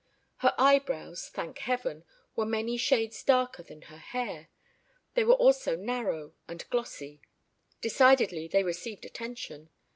Her eyebrows, thank Heaven, were many shades darker than her hair. They were also narrow and glossy. Decidedly they received attention.